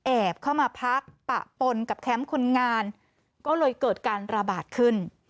เข้ามาพักปะปนกับแคมป์คนงานก็เลยเกิดการระบาดขึ้น